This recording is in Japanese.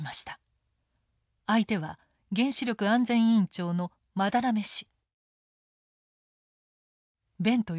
相手は原子力安全委員長の班目氏。